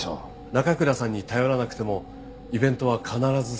奈可倉さんに頼らなくてもイベントは必ず成功できる。